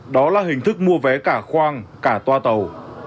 đó là hình thức mua vé cả khoang cả toa tàu